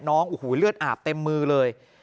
น้องเหลืออาบเต็มมือเลย